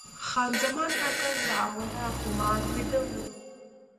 خان زمان کاکړ له اوله خمار ویده و.